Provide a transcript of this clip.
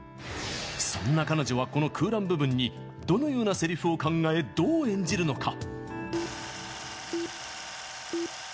そんな彼女はこの空欄部分にどのようなセリフを考えどう演じるのか？